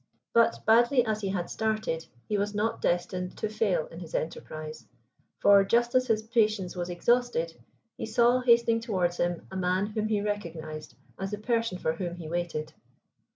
But, badly as he had started, he was not destined to fail in his enterprise; for, just as his patience was exhausted, he saw, hastening towards him, a man whom he recognized as the person for whom he waited.